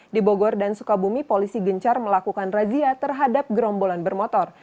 di bogor dan sukabumi polisi gencar melakukan razia terhadap gerombolan bermotor